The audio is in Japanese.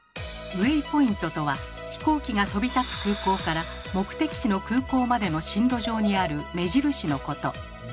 ウェイポイントとは飛行機が飛び立つ空港から目的地の空港までの進路上にある目印のこと。